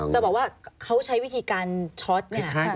จะบอกว่าเขาใช้วิธีการช็อตเนี่ย